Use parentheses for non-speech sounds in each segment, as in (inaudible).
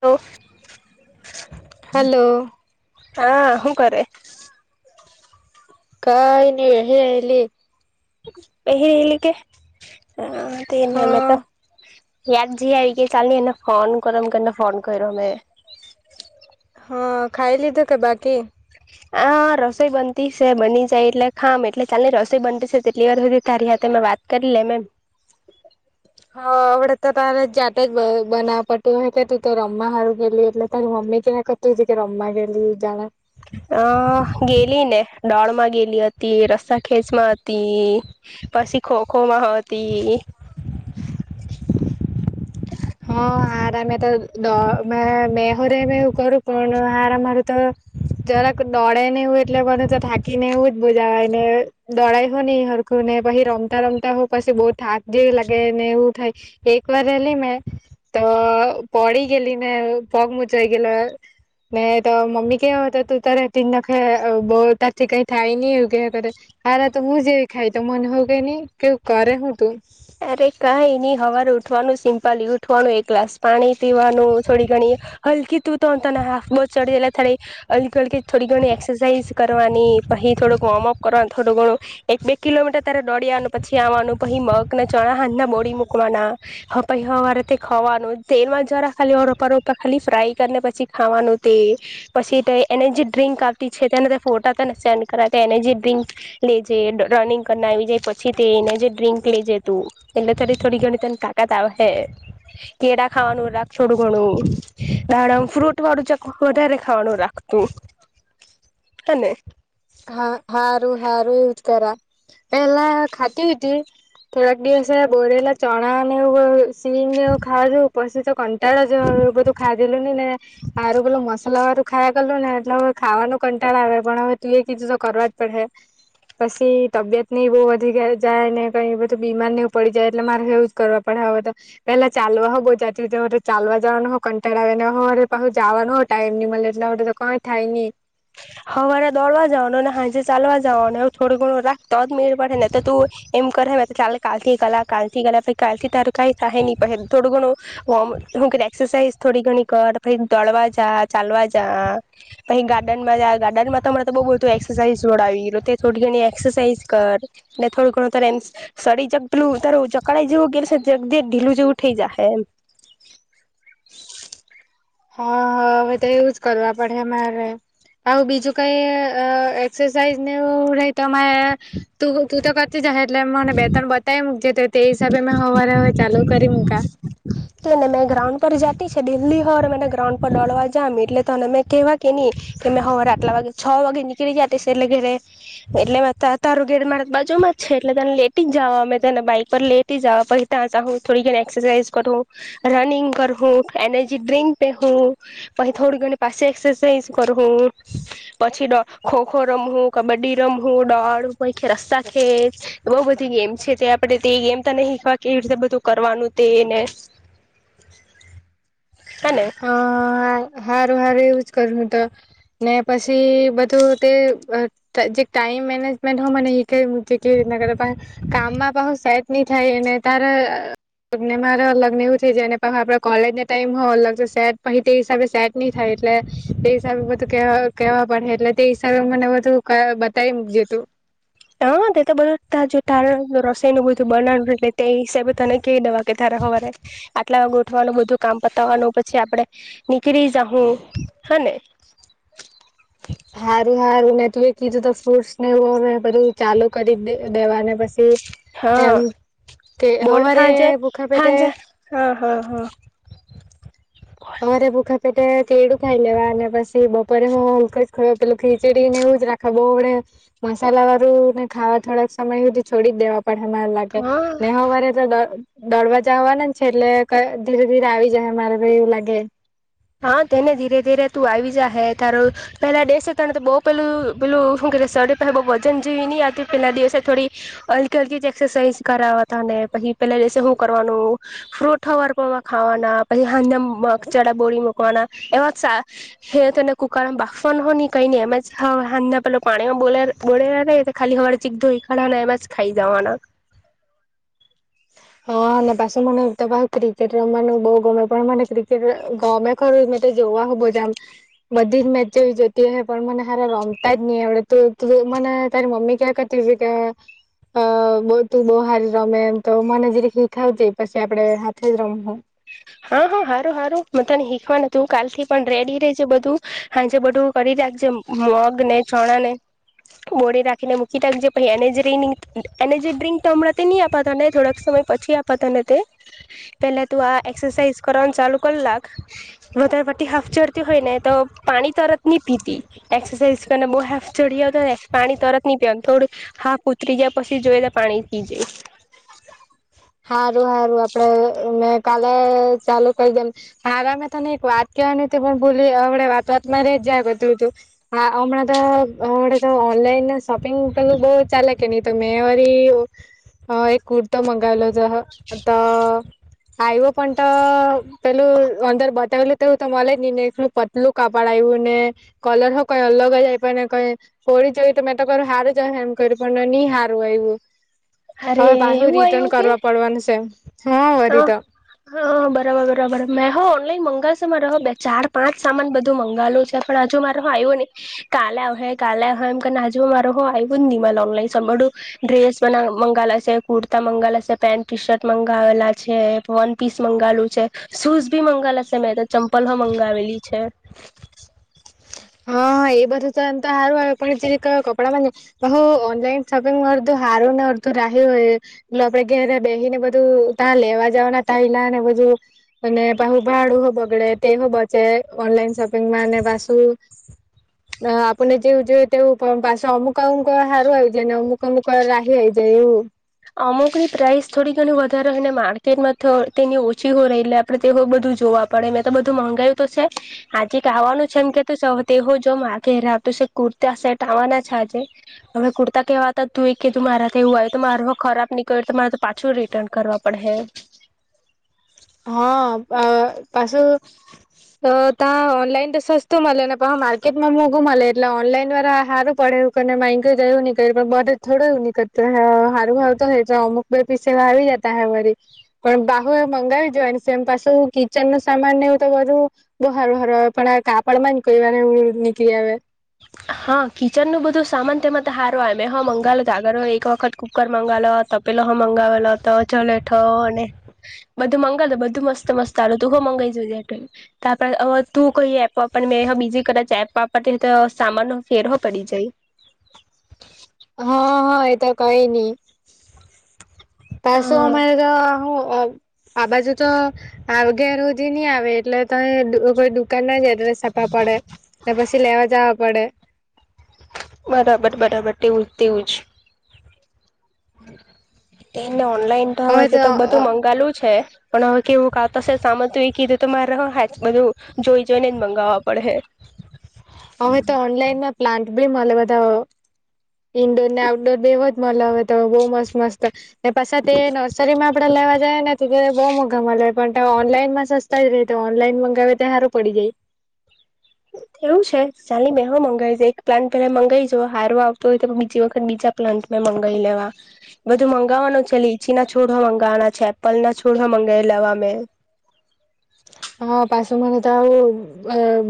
Hello. Hello. હા હું કરે? કઈ ની એહે એલી બેહિ રેલી કે હા તેમ મેને તો હા યાદ જેવી આવી ગય ચાલ ને એને ફોન કરુ એમ કરી ને ફોન કર્યો મે હા ખાય લીધુ કે બાકી? હા રસોઈ બનતી સે બની જાય એટલે ખામ એટલે ચાલ ને રસોઈ બનતી છે, તેટલી વાર હુધી તારી હાથે મેં વાત કરી લેમ એમ હા અમડે તો તારે જાતે જ બ બનાવવા પડતું અહે કે તું તો રમવા હારું ગેલી એટલે તારી મમ્મી મમ્મી કિયા કરતી હતી કે રમવા ગેલી જાણે અ ગેલી ને. દોડ માં ગેલી હતી, રસ્તા ખેંચ માં હતી પસી ખોખો માં હતી. (inaudible) હા આ મે તો દોડ મે મે મેહરે કરું કે હારા મારે તો જરાક જ દોડે ને એવું એટલે મને તો થાકી ને એવું જ બો જાય ને દોડાય હો ની હરખું ને પછી રમતા રમતા રમતા પસી બો થાક જેવી લાગેને એવું થાય. એક વાર ગેયલી ને તો પડી ગેલી ને પગ મુચવાઈ ગયલો. ને તો મમ્મી કેયા કરતી તારે થી નક બો તારથી કઈ થાય ની એવું કેયા કરે. હારા તો હું જેવી ખાય તો મને હો એવું કે ની કે કરે હું તું. સવારે ઉઠવાનું સિમ્પલી ઉઠવાનું એક ગ્લાસ પાણી પીવાનું થોડી ઘણી હલકી તું તો હાફ બ થળ થોડી ઘણી એક્સરસાાઈઝ કરવાની પછી થોક વોર્મઅપ કરવા. થોડું ઘણું એક બે કિલોમીટર ત્યારે દોડ્યાનું પછી આવવાનું પછી મગ ઘણા હાથ ના બોડી મકવાનાપાઈ સવારે ખવાનું તેલમાં જરા ખાલીપ ખાલી ફ્રાય કરીને પછી ખાવાનું પછી એને જે ડ્રિક આવતી છે તેને ફોટા એને જે ડ્રિંક લેજે રનિંગ કરના આવી જાય પછી તે એને જે ડ્રિંક લેજે. તે ને એટલે થો થોડી ઘણી તને કાકા ત હે કેળા ખાવાનું રા થોડું ઘણું દાડમ ફ્રૂટ વાળું ચક વધારે ખાવાનું રાખવું. તું અને (inaudible) હા હારું હારું દ તાર એલા ખાદી હો. થોડાક દિવસ બોરેલા ચણા ને સીનેવું ખાવા જો ઉપસ્થિત તો કંટાળો જો. એવુ બધું ખાધેલું ને ને આવેલું મસાલા વારું ખાયા કરલું ને એટલે હવે ખાવાનું કંટાળ આવે પણ હવે તું એ કીધું તો કરવા જ પડે. પછી તબિયત ઈ બહુ વધી જાય ને કઈ એ બધું બીમાર નને પડી જાય એટલે મારે એવું જ કરવા પડે. પેલા ચાલવા હો બહુ જતી ચાલવા જવાનું હો કંટાળ આવે ને હોરે જવાનું હો. એમની મ એટલા માટે તો કઈ થાય નહી. હવારે દોડવા જવાનું ને સાાંજે ચાલવા જવાનું થોડું ઘણું રાખતો જ મેળ પડે ને તો તું એમ કરે ચાલે કાલ થી ગાલા કાલ થી ગા પછ કાલ થી તારું કંઈ થ નહી પ થોડું ઘણું (inaudible) હું એક્સરસઝ થોડી ગણી કર દળવા જા ચાલવા જા. ગાર્ડન ગાર્ડનમાં તરે તો બ બ એક્રસાઝ જોડાવ થોડી ઘણી એક્સરસાઝ કર ને થોડું ઘણ તારે સડી જકલું ત ચકડા જવું કે જગદી ઢીલું જેવું થઈ જા હ એમ હા હ હવે તો એવુંજ કરવા પડે અમારે આવ બીજું કઈ એક્સરસાઇઝને તો તું તું તો કરતી જાય એટલે મને બે તણ બતાવી મકજ તો તે હિસાબે મે સવારે હવે ચાલુ કરી મકા એટને મેં ગ્રાઉન્ડ પર જાતી છે દિલ્હી હોરને ગ્રાઉન્ડ પર લડવા જામ એટલે તોને મેં કેવા કે નહી કેં હરે આટલા વાગે છ વાગે નીકળી જતી એટલે ઘેરે એટલે તારું ઘેર માર બાજુમાં છે એટલે તને લેટ જવા અમે તને બાઈક પર લેટ જવા પછી ત્યાં હું થોડી ઘણી એક્સરસાઇઝ કરું રનિંગ કરું એનર્જી ડ્રિક પે હું પછ થોડી ઘણી પાસે એક્સરસાઇઝ કર પછી ખોખો રમ કબડ્ડી રમું દોડ પૈ રસ્તા ખે બહ બધી ગેમ છે તે આપડે તે ગેમ તો નહી શીખવાવી રીતે બધું કરવાનું તેને હેને હા હા ું કર તો ને પછી બધું ટમ એક્સેસાઇઝ સીકાવી મૂકજે ની થાય એને તારે લગને મારે અલગ ને એવું થઈ જાયને પણ આપડે કોલેજને ટાઈમ અલગ સેટ પછ તે હિસાબે સેટ નહી થાય એટલે તે હિસાબે બધું કેવા પડે એટલે તે હિસાબે મને ું બતાય જે તું હ તો બધું ત તાર રસો નું બધું બનાવું એટલે તે હિસાબે તને કહી દવા કે તારે સવારે આટલા ગોઠવાનું બધું કામ પતાવવાનું પછી આપડે નીકળી જા હું હા ને સારું હારું મેં તું એ કીધું તો ફ્રૂટસ ને હ બધું ચાલુ કરી દે દેવાને પછી હા એમ કે બોલ હવાારે હાજે બખાપેટેટે હાજે હા હા હા હરે બખા પેટે ચીડું ખાઈ લેવા અને પછી બપોરે હું અંક જ ખયો પેલું ખીચડીને એવું જ રાખવા બહુ વડે મસાલા વારુ ને ખાવા થોડાક સમય સુી છોડી દેવા પણમાં લાગે હા નેહ વરેે તો દડવાજ આવવાના છે એટલે ક ધીરે ધીરે આવી જાહે મારે તો એવું લાગે. હા તેને ધીરે ધીરે તું આવી જાહે તારું પેહલા દેસ તને તો બોવ પેલું પેલું હું સળી પાહે બઉ વજન જેવી નહીં હતી પેહલા દિવસે થોડી હલકી હલકી જ એક્સરસાઇઝ કરાવવા હતા ને પહે પેહલા દિવસે હું કરવાનું ફ્રૂટ હવાર પોરમા ખાવાના પહી હાજના મગ ચણા બોરી વાના એવા શા કુકરમા બાફવાનુ ને કઈ ની એમ જ હ હાજના પેલું પાણીમાં બો બોળેલા રેય એટલે હવાર જીગ ધોઈ કાઢવાના એમજ ખાઈ જાવાના. હ ને પસી મને એક તો પાહુ ક્રિકેટ રમવાનું બહુ ગમે પણ મને ક્રિકેટ ગમે ખરું તે જોવા હો બો જામ બધી જ મેચ જેવી જોતી અહે પણ મને હારા રમતા જ નહીં આવડે તો મને તારી મમ્મી કીયા કરતી ઉતી કે અ બ તું બોવ હારી રમે એમ તો મને જીરીક હીખાવજે પછી આપડે હાથે જ રમહુ. હા હા હારું હારું મેં તને શીખવા ને તું કાલથી પણ રેડી રેહજે બધું હાજે બધું કરી રાખજે મગને ચણાને બોળી રાખીને મુકી રાખજે પછી એનજરી એનર્જી ડ્રિક તો અમણેથી ની આપા તને થોડાક સમય પછી આપા તને તે પેહલે તું આ એક્સરસાઇઝ કરવાનું ચાલુ કરલાક વધારે પડતી હાફ ચડતી હોય ને તો પાણી તરત ની પીતી એક્સરસાઝ બો હાફ ચડી આવેન તો પાણી તરત ન પીવાનું થોડું હાફ ઉતરી જાય પ છી જોએ તો પાણી પીજે. હારું હારું આપડે મેં કાલે ચાલુ કરી દેમ પઢ હારા મે તને એક વાત કેવાની તે ભૂલી વાત વાતમાં રેય જ જાહે બધું તું હા હમણાં તો હવારે તો ઓનલાઈનના શોપિંગ પેલું બઉ ચાલે કે ની તો મેં વળી એક કુર્તો મંગાવેલો તો આયવો પણ તો પેલું અંદર બતાવેલું તેવું તો મલે જ ની ને એટલું પતલું કાપડ આયવુ ને કલર હો કંઈ અલગ જ આયપો ને કઈ ફો પેહરી જોયું તો મેં તો કરું હારુ જ અહે એમ કયરુ પણ ની હારુ આયવુ. અરે હવે પાસુ રિટર્ન કરવા પડવાનું છે. હા હ વરી તો હ બરાબર બરાબર મેં હો ઓલાઈન મંગાવશે શે મારે હો બે ચાર પાંચ સામાન બધું મંગાવેલુ છે પણ હજુ મારામાં આયવુ ની કાલે આવહે કાલે આવહે એમ કરને અજુ મારું હો આયવુ જ ની મલે ઓનલાઈ બધું ડ્રેસ મંગાવેલા છે તા મંગાલા છે પેન્ટ ટી શર્ટ મંગાવેલા છે વન પીસ મંગાલું છે શૂઝ ભી મંગાવેલાશે મેં તો ચંપલ હો મંગાવેલી. છે. હા એ બધું તો એમ તો હારું આવે પણ જીરીક કપડામાં હુ ઓનલાઈન શોપિંગ મારું તો હારું ન રાહી હોય એ આપડે ઘેરે બેહીને બધું તાં લેવા જાવાના ટાઈલા ને બધું અને પાહુ ભાડું હો બગડે તે હો બચે ઓનલાઈન શોપિંગમાં અને પાસુ (inaudible) અ આપુણને જેવું જોએ તેવુ પાસે અમુક અમુક હારું આવી જાયને અમુક અમુક રાહી રઈ જાય. એવું (inaudible) અમુકની પ્રાઇસ થોડી ઘણી વધારે હોય ને માર્કેટમાં તો તેની ઓછી હોય રેય એટલે આપડે તે હો બધું જોવા પડે મેં તો બધું મંગાયું તો છે આ જીક આવાનું કે તું છે એમ કે તું છે અવે તેહો જોમ આ કયારે આ કુર્તા સેટ આવાના છે આજે હવે કુર્તા કેહવા આવતા તુંએ કીધું મારા તો એવું આવે તો મારા હો ખરાબ નીકળયુ તો મારે તો પાછું રિટર્ન કરવા પડ હે. હ આ પાશું તો તા ઓનલાઈન તો સસ્તું મળે ને પાહુ માર્કેટમાં મોંઘું મળે એટલે ઓનલાઈન દ્વારા હારું પડે. માયગુ જોયું ની કયરુ બધુ થોડું નીકળીતુ અહે હારુ હારુ તો રેય જાહે અમુક બે પીસ એવા આવી જતા અહે વરી પણ પાહુ મંગાવી જોએ ને સેમ પાછું કિચેનનુ સામાનને એવું તો બધું બો હારુ હારુ આવે પણ આ કાપડમા જ કોઈ વાર એવું નીકલી આવે. હા કિચનનું બધું સામાન તેમાં તો સારું આવે મેં હો મંગાવેલુ તો આગળ હો એક હો વખત કુકર મંગાવલો તપેલો હો મંગાવલો હતો જલેઠો ને બધું મંગાવલુ બધું મસ્ત મસ્ત આલુ તું હો મંગાઈ જોજે અવે તું કઈ એપ વાપરે ને મેં હો બીજી કદાચ એપ પાપરતી તો સામાનો ફેર હો પડી જાય. હ હ એ તો કઈ ની. પાસું અમારે હા તો હું અ આ બાજુ તો આ ઘેર હોધી ની આવે એટલે તહીં દુ ઉભું દુ દુકાનના જ અડ્ર્સ આપવા પડે તો પસી લેવા જાવા પડે. બરાબર-બરાબર તેવું તેવુંજ. એ ને ઓનલાઈન તો હવે તેતો બધું મંગાએલું છે. પણ હવે કેવુંક આવતો સે સામાન કેવીક કીધું તો મારે હો હાચ બધું જોઈ જોઈને જ મંગાવવા પડેે હે. હવે તો ઓનલાઈનમાં પ્લાન્ટ બી મલે બધા અ ઈન્ડોર ને આઉટડોર બેવજ મલે હવે તો બહુ મસ્ત-મસ્ત. ને પાસા તે નર્સરીમાં આપડે લેવા જાય ને તો તે બહુ મોંઘા મલે. પણ તાં ઓનલાઈનમાં સસ્તા જ રે તો ઓનલાઈન મંગાવે તે હારું પડી જાય. (inaudible) એવું છે ચાલ ની મેં હો મંગાવી દેવ એક પ્લાન્ટ પેલા મંગાવી જોવા હારો આવતો હોય તો બીજી વખત બીજા પ્લાન્ટ મં મંગાઈ લેવા. બધું મંગાવવાનું છે લીચીના છોડ હો મંગાવવાના છે. એપલ ના છોડ હો મંગાઈ લેવા મે. (inaudible) હ પાસુ મને તો આવું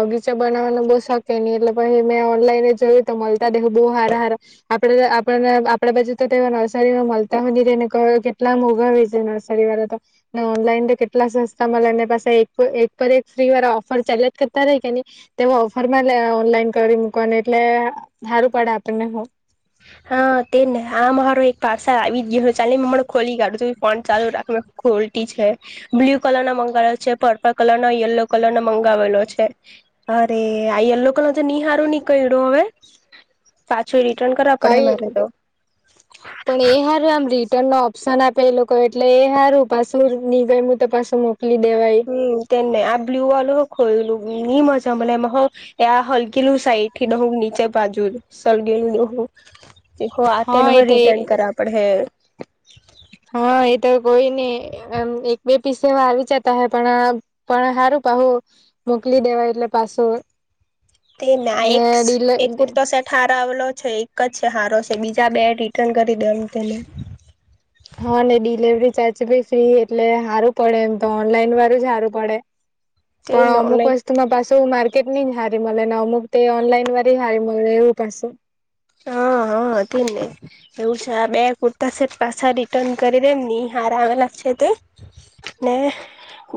અ બગીચા બનાવવાનું બો શોક કે ની એટલે પહી મેં ઓનલાઈન જ એ જ તો મલતા દેહું બો હારા-હારા આપડે આપડે આપડે બાજુ તો તેવા નર્સરીમાં મલતા હો ની રેને. ઘરે કેટલા મોંઘા વેચે નર્સરીવાલા તો ને ઓનલાઈન તો કેટલા સસ્તા મલે એને પાસા તાં એક પર એક પર ફ્રી વાળા ઓફર ચાલીયા જ કરતા રહે કે ની તેવો ઓફરમાં લે ઓનલાઈન કરી મુકવાનું. એટલે હારું પડે આપણને હો. હા તેને આ મારો હારો એક પાર્સલ આવી ગિયું હે ચાલની મે હમણાં ખોલી કાઢું તું ફોન ચાલુ રાખ. ખોલતી છે બ્લુ કલરનો મંગાવેલો છે, પર્પલ કલરનો યલો કલરનો મંગાવેલો છે. અરે આ યલો કલર તો ની હારું નીકળ્યું હવે પાછુ રિટર્ન કર કઈ પણ એ હારુ આમ રિટર્નનો ઓપ્શન આપે પે લોકો એટલે એ હારું પાસુ ની ગઈમું તો પાસુ મોક હમ્મ તેને આ બ્લુ વાળું હો ખોઇલુ. ની મજા મલે એમાં હો એ આ હલગેલુ સાઈડથી દેહુ નીચે બાજુ સડગેલું દેહુ. તેહો આ હા તેને હો એ તો રિટર્ન કરવા પડે હે. હ એ તો કોઈ ની એક બે પીસે એવા આવી જતા હે પણ પણ હારું. પાહું મોકલી દેવાય એટલે પાછો. તે ના એક એક કુર્તો સેટ હારો આવેલો છે એક જ છે હારો છે બીજા બે રી હા ને ડિલવરી ચાર્જ- ભી ફ્રી એટલે સારું પડે એમ તો ઓનલાઈન વાળું જ હારું પડે. પણ તેને અમુક ઓનલાઈન વસ્તુમાં પાસું માર્ક કેટની જ હારી મલે ને અમુક તે ઓનલાઈન વાળી હારી મલે એવું પાછું. હા. હા હતી ને એવું છે આ બે કુર્તા સેટ પાછા રિટર્ન કરી દેમ ની હાર આવેલા છે. એ તો ને.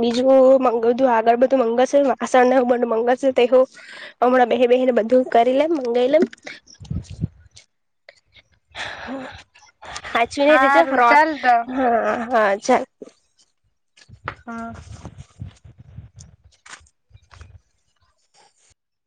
બીજું હો મંગધું આગળ બધું મંગળ છે વાસણ ને એવુ બધું મંગળ છે તેહો હમણાં બે-બે એને બધું કરી લેમ મંગાઈ લેમ. હાચવી ને રેજે હારું ફ્રોડ ચાલ તો હ હારું. ચાલ. (inaudible)